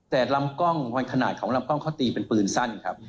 แต่ลำกล้องวันขนาดของลำกล้องเขาตีเป็นปืนสั้นครับ